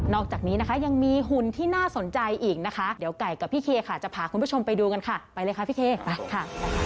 อกจากนี้นะคะยังมีหุ่นที่น่าสนใจอีกนะคะเดี๋ยวไก่กับพี่เคค่ะจะพาคุณผู้ชมไปดูกันค่ะไปเลยค่ะพี่เคไปค่ะ